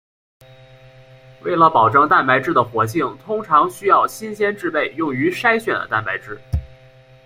为了保证蛋白质的活性通常需要新鲜制备用于筛选的蛋白质。